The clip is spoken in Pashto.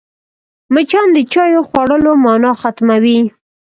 مچان د چايو خوړلو مانا ختموي